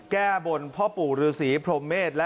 แก้บนพ่อปู่ฤษีพรมเมษ